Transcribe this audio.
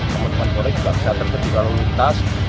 teman teman bonek juga bisa terkecil dalam lintas